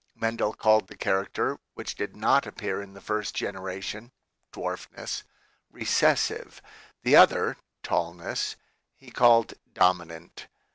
Mendel called the character, which did not appear in the first generation (dwarfness), "recessive"; the other (tall ness) he called "dominant."